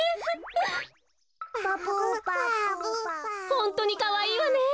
ホントにかわいいわね！